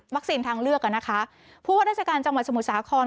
วัคซีนทางเลือกนะคะผู้วัฒนาศการจังหวัดสมุทรสาคร